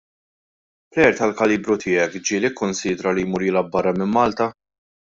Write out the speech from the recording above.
Plejer tal-kalibru tiegħek ġieli kkunsidra li jmur jilgħab barra minn Malta?